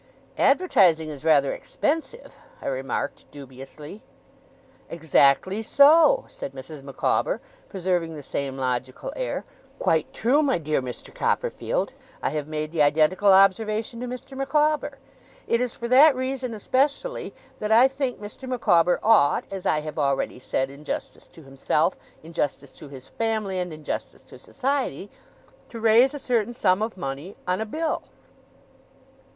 'Advertising is rather expensive,' I remarked, dubiously. 'Exactly so!' said Mrs. Micawber, preserving the same logical air. 'Quite true, my dear Mr. Copperfield! I have made the identical observation to Mr. Micawber. It is for that reason especially, that I think Mr. Micawber ought (as I have already said, in justice to himself, in justice to his family, and in justice to society) to raise a certain sum of money on a bill.